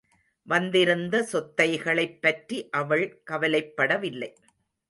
வந்திருந்த சொத்தைகளைப் பற்றி அவள் கவலைப்படவில்லை.